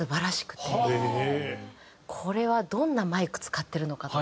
これはどんなマイク使ってるのかとか。